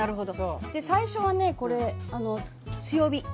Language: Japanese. で最初はねこれ強火。